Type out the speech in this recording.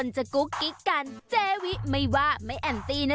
แชร์แรกแยกไว้ก่อน